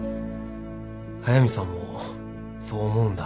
速見さんもそう思うんだ